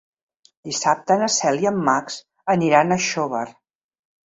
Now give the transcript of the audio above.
Dissabte na Cel i en Max aniran a Xóvar.